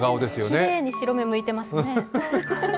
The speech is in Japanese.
きれいに白目むいてますね。